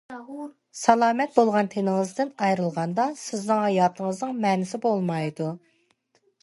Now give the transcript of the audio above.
سالامەت بولغان تېنىڭىزدىن ئايرىلغاندا، سىزنىڭ ھاياتىڭىزنىڭ مەنىسى بولمايدۇ.